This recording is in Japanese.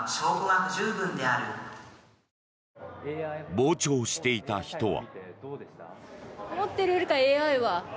傍聴していた人は。